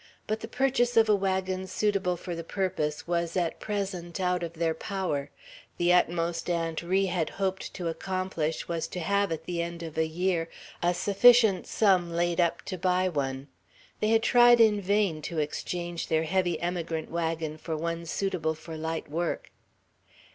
But the purchase of a wagon suitable for the purpose was at present out of their power; the utmost Aunt Ri had hoped to accomplish was to have, at the end of a year, a sufficient sum laid up to buy one. They had tried in vain to exchange their heavy emigrant wagon for one suitable for light work.